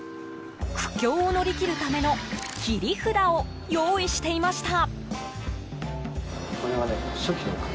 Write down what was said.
苦境を乗り切るための切り札を用意していました。